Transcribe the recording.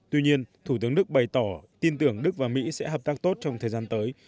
tuy nhiên thủ tướng đức bày tỏ tin tưởng đức và mỹ sẽ hợp tác tốt trong thời gian tới